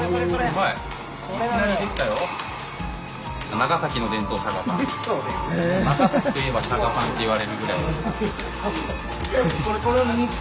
長崎といえばしゃがパンっていわれるぐらい。